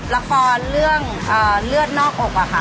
ละครเรื่องเลือดนอกอกอะค่ะ